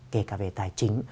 kể cả về tài chính